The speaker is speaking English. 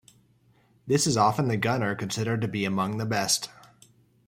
This is often the gunner considered to be among the best.